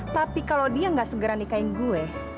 tapi kalau dia nggak segera nikahin gue